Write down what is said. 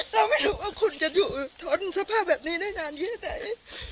เราไม่รู้ว่าคุณจะอยู่ทนสภาพแบบนี้นานเยอะใด